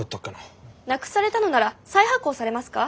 なくされたのなら再発行されますか？